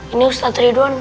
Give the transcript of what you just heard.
ini ustad ridwan